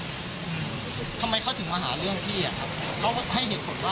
ทำไมเขาถึงมาหาเรื่องพี่